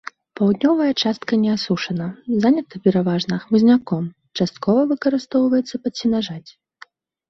Паўднёвая частка не асушана, занята пераважна хмызняком, часткова выкарыстоўваецца пад сенажаць.